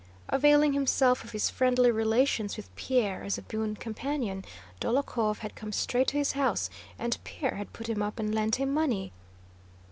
Availing himself of his friendly relations with Pierre as a boon companion, Dólokhov had come straight to his house, and Pierre had put him up and lent him money.